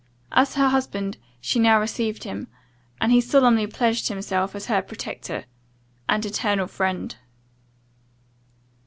As her husband she now received him, and he solemnly pledged himself as her protector and eternal friend.